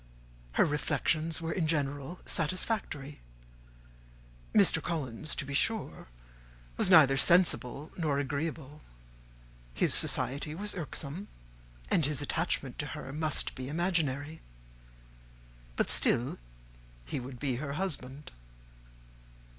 Her reflections were in general satisfactory. Mr. Collins, to be sure, was neither sensible nor agreeable: his society was irksome, and his attachment to her must be imaginary. But still he would be her husband.